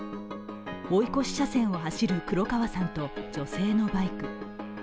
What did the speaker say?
追い越し車線を走る黒川さんと女性のバイク。